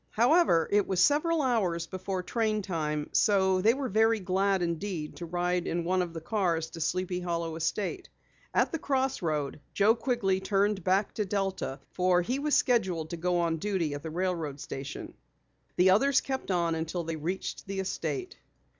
However, it was several hours before train time, so they were very glad indeed to ride in one of the cars to Sleepy Hollow estate. At the crossroad Joe Quigley turned back to Delta for he was scheduled to go on duty at the railroad station. The others kept on until they reached the estate.